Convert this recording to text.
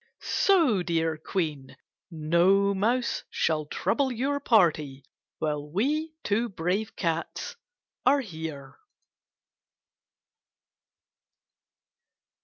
So, dear Queen, no mouse shall trouble your party while we two brave cats are here.